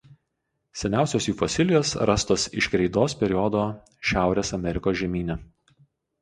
Seniausios jų fosilijos rastos iš kreidos periodo Šiaurės Amerikos žemyne.